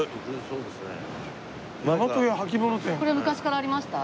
これ昔からありました？